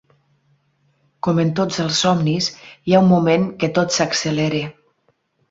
Com en tots els somnis, hi ha un moment que tot s'accelera.